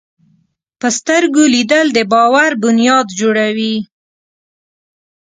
په سترګو لیدل د باور بنیاد جوړوي